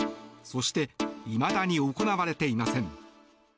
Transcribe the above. そしていまだに行われていません。